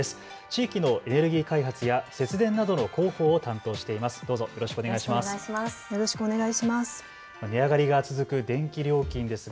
地域のエネルギー開発や節電などの広報を担当しています。